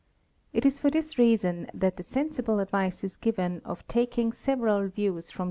It is for this x a son that the sensible advice is given of taking several views from